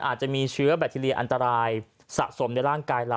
อาจจะมีเชื้อแบคทีเรียอันตรายสะสมในร่างกายเรา